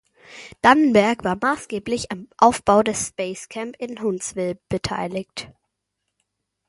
Dannenberg war maßgeblich am Aufbau des „Space Camp“ in Huntsville beteiligt.